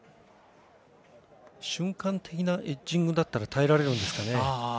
瞬間的なエッジングだったら耐えられるんですかね。